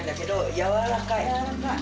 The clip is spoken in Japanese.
やわらかい。